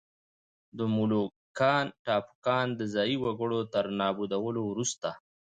د مولوکان ټاپوګان د ځايي وګړو تر نابودولو وروسته.